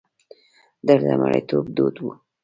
دلته مریتوب دود وو.